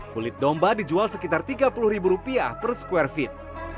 kulit domba dijual sekitar tiga puluh ribu rupiah per square feet